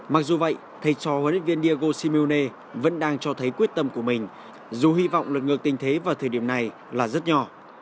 mặc dù vậy thầy trò huấn luyện viên diagoshimiune vẫn đang cho thấy quyết tâm của mình dù hy vọng lưng ngược tình thế vào thời điểm này là rất nhỏ